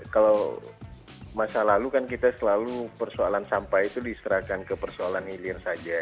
kalau masa lalu kan kita selalu persoalan sampah itu diserahkan ke persoalan hilir saja